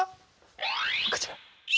こちら。